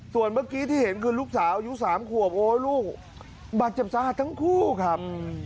ส่วนเมื่อกี้ที่เห็นคือลูกสาวอายุ๓ขวบโอ๊ยลูกบาดเจ็บสาหัสทั้งคู่ครับ